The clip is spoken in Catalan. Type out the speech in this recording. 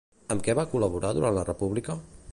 Amb què va col·laborar durant la República?